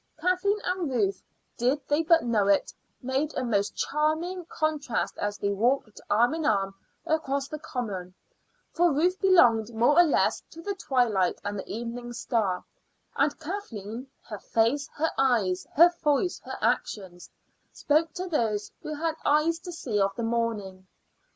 Kathleen and Ruth, did they but know it, made a most charming contrast as they walked arm in arm across the common; for Ruth belonged more or less to the twilight and the evening star, and Kathleen her face, her eyes, her voice, her actions spoke to those who had eyes to see of the morning.